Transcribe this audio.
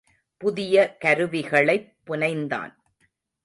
புதிய கருவிகளைப் புனைந்தான்.